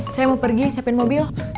saya mau pergi siapin mobil